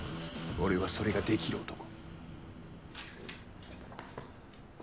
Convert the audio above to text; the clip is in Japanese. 俺はそれができる男。